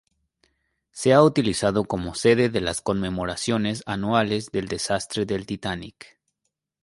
Se ha utilizado como sede de las conmemoraciones anuales del desastre del "Titanic".